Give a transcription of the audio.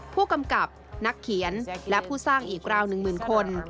ผู้กำกับนักเขียนและผู้สร้างอีกราว๑๐๐๐คน